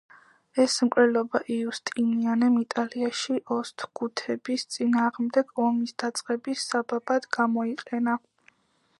ეს მკვლელობა იუსტინიანემ იტალიაში ოსტგუთების წინააღმდეგ ომის დაწყების საბაბად გამოიყენა.